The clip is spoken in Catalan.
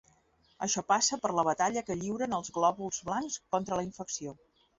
Això passa per la batalla que lliuren els glòbuls blancs contra la infecció.